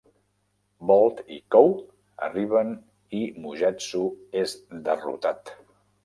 Volt i Kou arriben i Mugetsu és derrotat.